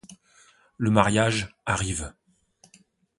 Le mariage arrive.